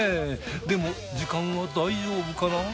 でも時間は大丈夫かな？